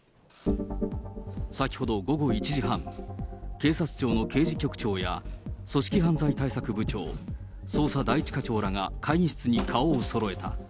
先ほど午後１時半、警察庁の刑事局長や組織犯罪対策部長、捜査第１課長らが、会議室に顔をそろえた。